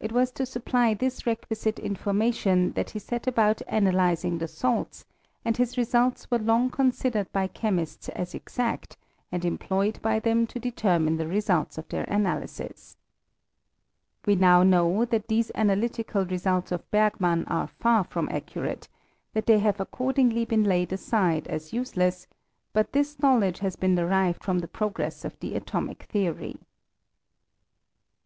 It was to supply this requisite information that he set about analyzing the salts, and his results were long considered by chemists as exact, and employed by them to deter mine the results of their analyses. We now know that these analytical results of Bergman are far from accurate; they have accordingly been laid aside as useless : but this knowledge has been derived from the progress of the atomic theory.